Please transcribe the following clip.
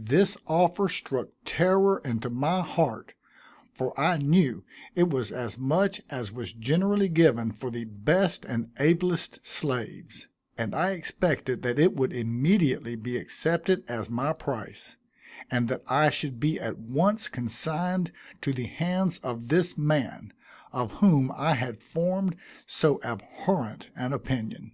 This offer struck terror into my heart, for I knew it was as much as was generally given for the best and ablest slaves, and I expected that it would immediately be accepted as my price, and that I should be at once consigned to the hands of this man, of whom I had formed so abhorrent an opinion.